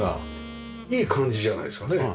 いい感じじゃないですかね。